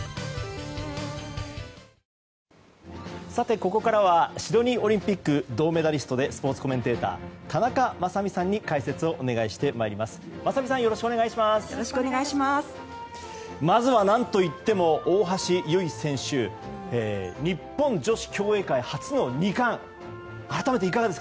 ここからはシドニーオリンピック銅メダリストでスポーツコメンテーター田中雅美さんに解説をお願いしてまいります。